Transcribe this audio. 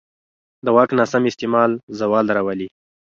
د واک ناسم استعمال زوال راولي